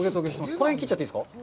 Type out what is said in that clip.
この辺、切っちゃっていいんですか？